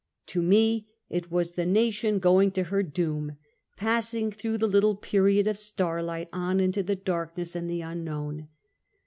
To me, it was the nation going to her doom, passing through the little period of starlight, on into the darkness and the unknown.